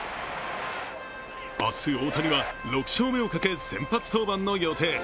明日、大谷は６勝目をかけ、先発登板の予定。